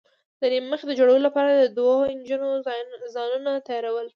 د نیم مخي د جوړولو لپاره دوو نجونو ځانونه تیاراول.